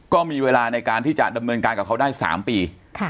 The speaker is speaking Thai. ก็มีเวลาในการที่จะดำเนินการกับเขาได้๓ปี